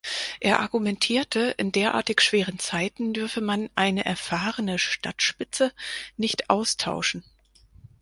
Er argumentierte, in derartig schweren Zeiten dürfe man eine erfahrene Stadtspitze nicht austauschen.